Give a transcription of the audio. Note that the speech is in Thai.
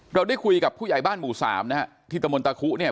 เราได้คุยกับผู้ใหญ่บ้านหมู่สามนะฮะที่ตะมนตะคุเนี่ย